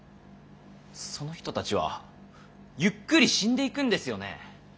その人たちはゆっくり死んでいくんですよね。